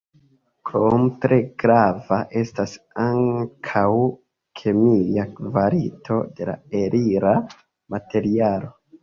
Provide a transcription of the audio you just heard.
Krome, tre grava estas ankaŭ kemia kvalito de la elira materialo.